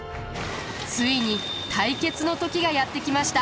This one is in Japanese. ついに対決の時がやって来ました。